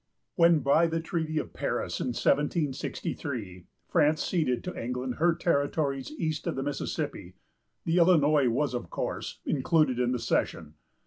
When, by the treaty of Paris, in 1763, France ceded to England her territories east of the Mississippi, the Illinois was of course included in the cession.